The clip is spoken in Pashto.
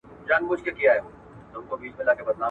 حکومتونه به د بشري حقونو قانون پلی کړي.